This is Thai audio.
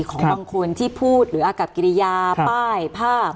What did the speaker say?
ของบางคนที่พูดหรืออากับกิริยาป้ายภาพ